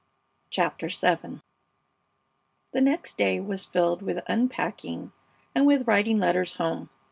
CHAPTER VII The next day was filled with unpacking and with writing letters home.